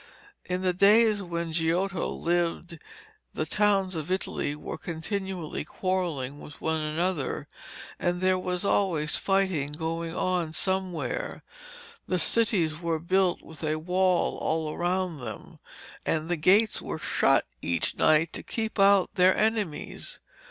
In the days when Giotto lived the towns of Italy were continually quarrelling with one another, and there was always fighting going on somewhere. The cities were built with a wall all round them, and the gates were shut each night to keep out their enemies.